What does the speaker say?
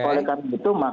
oleh karena itu